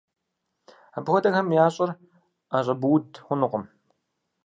Апхуэдэхэм ящӏэр ӏэщӏэбууд хъунукъым.